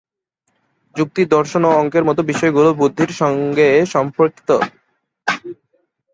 যুক্তি, দর্শন ও অঙ্কের মত বিষয়গুলো বুদ্ধির সঙ্গে সম্পৃক্ত।